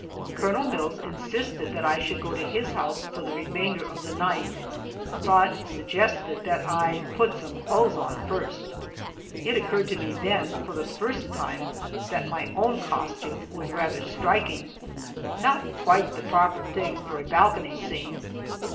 Colonel Mills insisted that I should go to his house for the remainder of the night, but suggested that I put some clothes on first! It occurred to me then, for the first time, that my own costume was rather striking not quite the proper thing for a balcony scene.